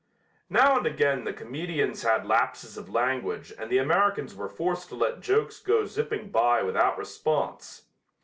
Now and again the comedians had lapses of language and the Americans were forced to let jokes go zipping by without response.